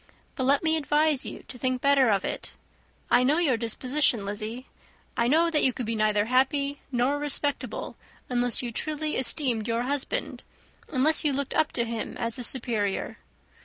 But let me advise you to think better of it. I know your disposition, Lizzy. I know that you could be neither happy nor respectable, unless you truly esteemed your husband, unless you looked up to him as a superior.